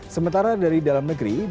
sementara dari dalam negeri